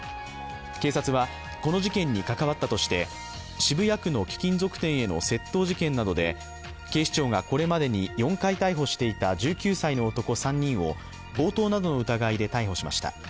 警察はこの事件に関わったとして渋谷区の貴金属店への窃盗事件などで警視庁がこれまでに４回逮捕していた１９歳の男３人を強盗などの疑いで逮捕しました。